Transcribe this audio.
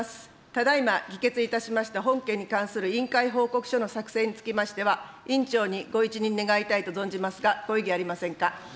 ただいま議決いたしました本件に関する委員会報告書の作成につきましては、委員長にご一任願いたいと存じますが、ご異議ありませんか。